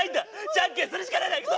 じゃんけんするしかないんだいくぞ！